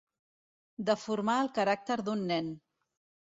Deformar el caràcter d'un nen.